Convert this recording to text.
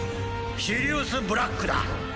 「シリウス・ブラックだ」